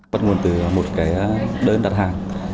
bắt nguồn từ một cái đơn đặt hàng